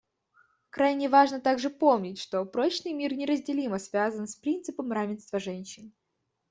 Крайне важно также помнить, что прочный мир неразделимо связан с принципом равенства женщин.